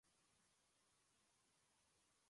কথা তো সঠিকই।